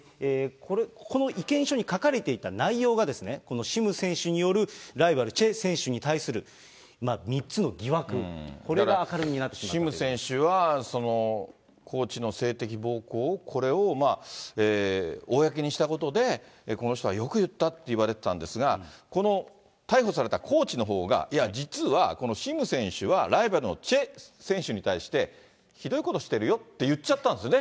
この意見書に書かれていた内容が、このシム選手によるライバル、チェ選手に対する３つの疑惑、シム選手は、そのコーチの性的暴行、これを公にしたことで、この人はよく言ったっていわれてたんですが、この逮捕されたコーチのほうが、いや、実はこのシム選手はライバルのチェ選手に対して、ひどいことしてるよって言っちゃったんですよね。